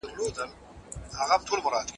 زه اوږده وخت سبزیحات جمع کوم؟!